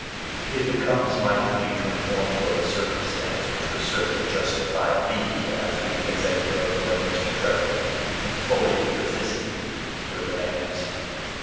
It becomes my duty to inform you of a circumstance which would certainly justify me, as an executor of the late Mr. Tretherick, in fully resisting your demands.